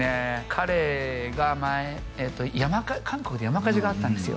彼が前韓国で山火事があったんですよ